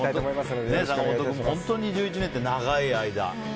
坂本君、本当に１１年って長い間。